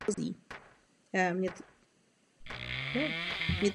Úspěšně vedl řadu let družstva mužů i žen v německé Bundeslize.